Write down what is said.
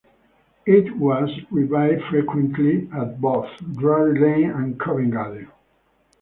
It was revived frequently at both Drury Lane and Covent Garden.